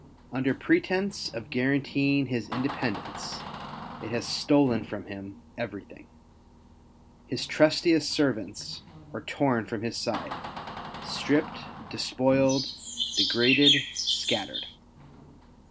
Under pretence of guaranteeing his independence, it has stolen from him everything. His trustiest servants are torn from his side, stripped, despoiled^ degraded, scattered.